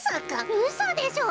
うそでしょ？